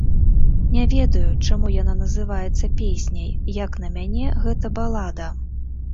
Не ведаю, чаму яна называецца песняй, як на мяне, гэта балада.